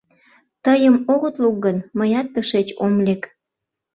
Тыйым огыт лук гын, мыят тышеч ом лек.